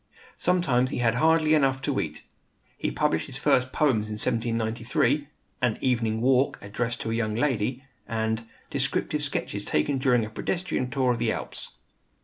Sometimes he had hardly enough to eat. He published his first poems in 1793, "An Evening Walk, Addressed to a Young Lady," and "Descriptive Sketches Taken During a Pedestrian Tour Among the Alps."